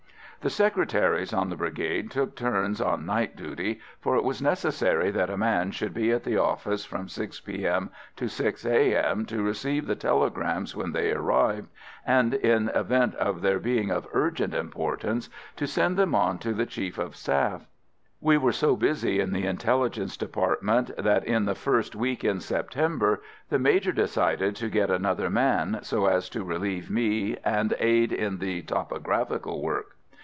The Secretaries on the Brigade took turns on night duty, for it was necessary that a man should be at the office from 6 P.M. to 6 A.M. to receive the telegrams when they arrived, and, in event of their being of urgent importance, to send them on to the Chief of the Staff. We were so busy in the Intelligence Department that in the first week in September the Major decided to get another man, so as to relieve me and aid in the topographical work.